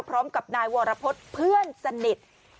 พร้อมกับนายวรพฤษเพื่อนสนิท